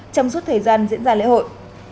trong suốt thời gian diễn ra lễ hội